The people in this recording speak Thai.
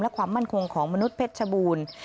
และความมั่นคงของมนุษย์เพชรชบูรณ์